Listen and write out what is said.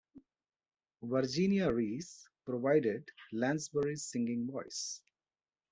Virginia Rees provided Lansbury's singing voice.